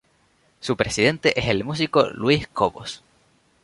Su presidente es el músico Luis Cobos.